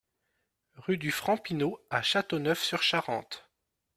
Rue du Franc Pineau à Châteauneuf-sur-Charente